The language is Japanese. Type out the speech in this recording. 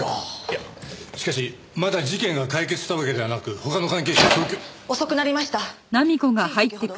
いやしかしまだ事件が解決したわけではなく他の関係者を早急に。